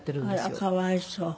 あらかわいそう。